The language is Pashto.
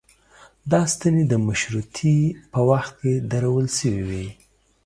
دا ستنې د مشروطې په وخت کې درول شوې وې.